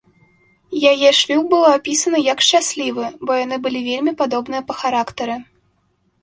Яе шлюб быў апісаны як шчаслівы, бо яны былі вельмі падобныя па характары.